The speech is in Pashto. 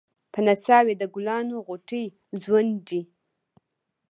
په نڅا وې د ګلانو غوټۍ ځونډي